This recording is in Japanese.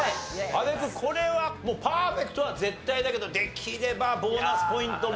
阿部君これはもうパーフェクトは絶対だけどできればボーナスポイントも。